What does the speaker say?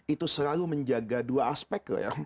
itu selalu menjaga dua aspek